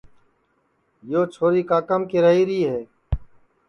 یو چھوری کاکام کیراھیری ہے